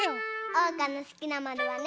おうかのすきなまるはね。